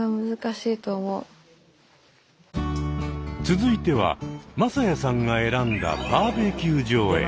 続いては匡哉さんが選んだバーベキュー場へ。